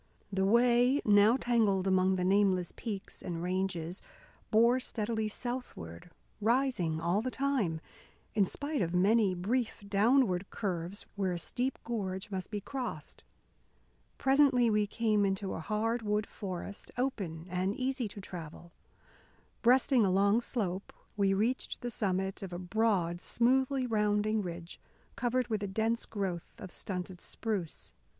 The way, now tangled among the nameless peaks and ranges, bore steadily southward, rising all the time, in spite of many brief downward curves where a steep gorge must be crossed. Presently we came into a hard wood forest, open and easy to travel. Breasting a long slope, we reached the summit of a broad, smoothly rounding ridge covered with a dense growth of stunted spruce.